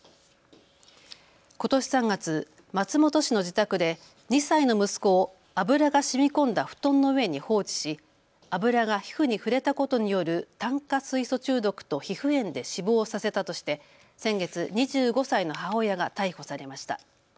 ことし３月、松本市の自宅で２歳の息子を油がしみこんだ布団の上に放置し油が皮膚に触れたことによる炭化水素中毒と皮膚炎で死亡させたとして、先月２５歳の母親が逮捕されました。